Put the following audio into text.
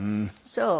そう？